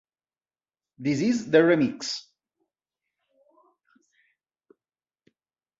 This Is the Remix